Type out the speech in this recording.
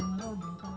trong đồng bào